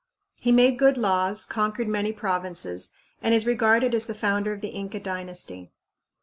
He made good laws, conquered many provinces, and is regarded as the founder of the Inca dynasty.